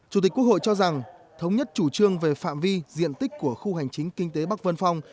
chủ tịch quốc hội cho rằng thống nhất chủ trương về phạm vi diện tích của khu hành chính kinh tế bắc vân phong